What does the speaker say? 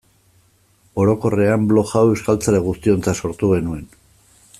Orokorrean, blog hau euskaltzale guztiontzat sortu genuen.